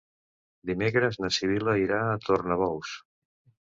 Dimecres na Sibil·la irà a Tornabous.